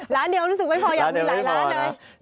ร้านเดียวรู้สึกไม่พออยากมีหลายล้านเลย